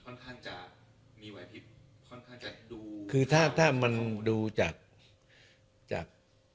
ค่อนข้างจะมีวัยผิดค่อนข้างจะดูคือถ้าถ้ามันดูจากจาก